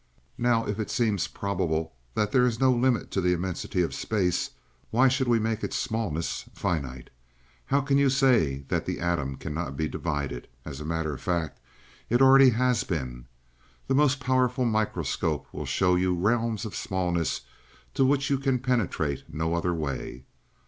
"Now, if it seems probable that there is no limit to the immensity of space, why should we make its smallness finite? How can you say that the atom cannot be divided? As a matter of fact, it already has been. The most powerful microscope will show you realms of smallness to which you can penetrate no other way.